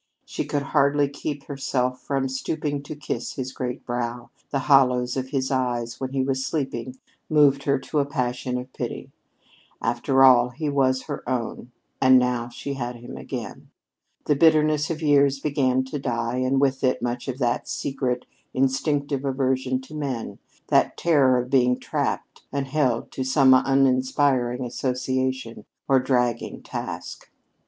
She could hardly keep herself from stooping to kiss his great brow; the hollows of his eyes when he was sleeping moved her to a passion of pity. After all, he was her own; and now she had him again. The bitterness of years began to die, and with it much of that secret, instinctive aversion to men that terror of being trapped and held to some uninspiring association or dragging task.